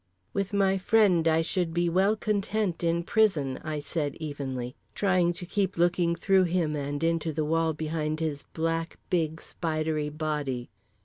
"With my friend I should be well content in prison!" I said evenly, trying to keep looking through him and into the wall behind his black, big, spidery body.